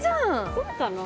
そうかな？